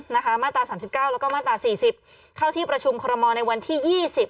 มาตราสามสิบเก้าแล้วก็มาตราสี่สิบเข้าที่ประชุมคอรมอลในวันที่ยี่สิบ